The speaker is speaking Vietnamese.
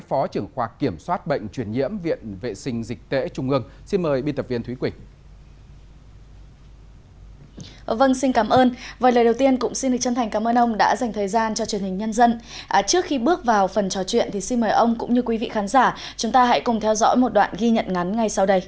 phó trưởng khoa kiểm soát bệnh truyền nhiễm viện vệ sinh dịch tễ trung ương